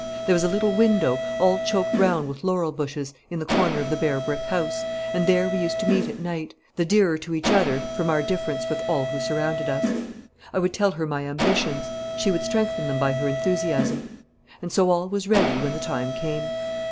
There was a little window, all choked round with laurel bushes, in the corner of the bare brick house, and there we used to meet at night, the dearer to each other from our difference with all who surrounded us. I would tell her my ambitions; she would strengthen them by her enthusiasm. And so all was ready when the time came.